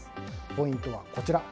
ポイントはこちら。